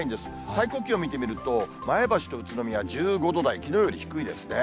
最高気温見てみると、前橋と宇都宮、１５度台、きのうより低いですね。